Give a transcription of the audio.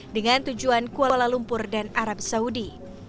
dengan tujuan kuala lumpur dan arab saudi